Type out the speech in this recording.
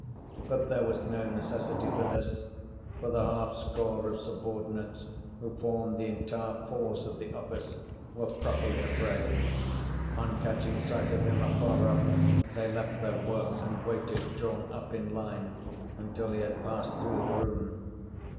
But there was no necessity for this, for the half score of subordinates who formed the entire force of the office were properly afraid; on catching sight of him afar off they left their work and waited, drawn up in line, until he had passed through the room.